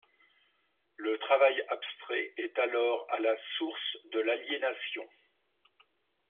Le travail abstrait est alors à la source de l'aliénation.